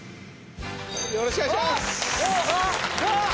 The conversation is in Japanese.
よろしくお願いします！